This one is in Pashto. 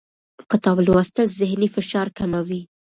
کتاب لوستل ذهني فشار کموي